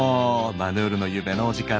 「マヌールのゆうべ」のお時間です。